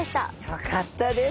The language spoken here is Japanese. よかったです。